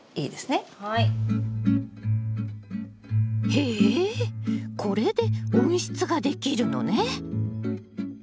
へえこれで温室ができるのね。